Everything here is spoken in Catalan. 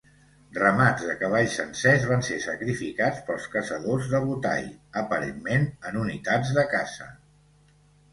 Ramats de cavalls sencers van ser sacrificats pels caçadors de Botai, aparentment en unitats de caça.